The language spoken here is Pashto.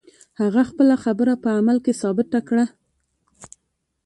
هغه خپله خبره په عمل کې ثابته کړه.